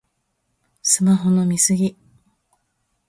スマホの見過ぎ